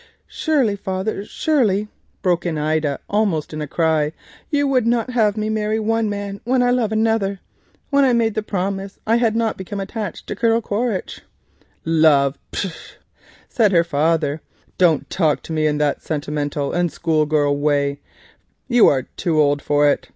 "Surely, father, surely," broke in Ida, almost in a cry, "you would not have me marry one man when I love another. When I made the promise I had not become attached to Colonel Quaritch." "Love! pshaw!" said her father. "Don't talk to me in that sentimental and school girl way—you are too old for it.